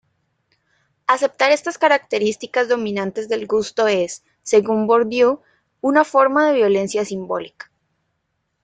Aceptar estas características dominantes del gusto es, según Bourdieu, una forma de "violencia simbólica".